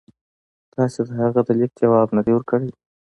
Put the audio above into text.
تاسي د هغه د لیک جواب نه دی ورکړی.